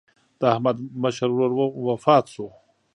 د احمد مشر ورور وفات شو.